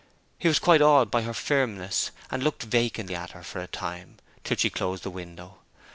He was quite awed by her firmness, and looked vacantly at her for a time, till she closed the window.